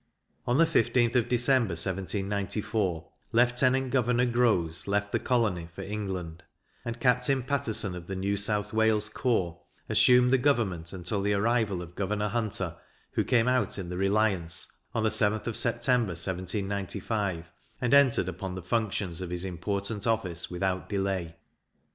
On the 15th of December, 1794, Lieutenant Governor Grose left the colony for England, and Captain Paterson, of the New South Wales corps, assumed the government until the arrival of Governor Hunter, who came out in the Reliance, on the 7th of September, 1795, and entered upon the functions of his important office without delay.